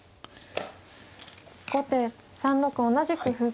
後手３六同じく歩。